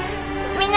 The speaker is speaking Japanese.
みんな。